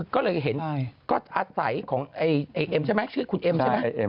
ก็เลยเห็นก็อาศัยของคุณเอ็มใช่ไหม